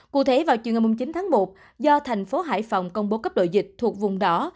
cụ thể vào chiều ngày chín tháng một do thành phố hải phòng công bố cấp độ dịch thuộc vùng đỏ